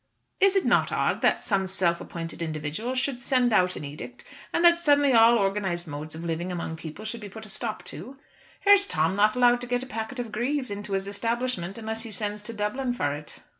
Is it not odd that some self appointed individual should send out an edict, and that suddenly all organised modes of living among people should be put a stop to! Here's Tom not allowed to get a packet of greaves into his establishment unless he sends to Dublin for it."